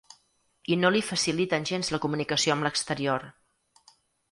I no li faciliten gens la comunicació amb l’exterior.